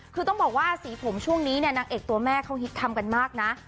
คือต้องบอกว่าสีผมช่วงนี้เนี่ยนางเอกตัวแม่เขาฮิตทำกันมากนะ